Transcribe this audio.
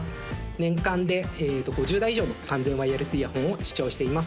年間で５０台以上の完全ワイヤレスイヤホンを試聴しています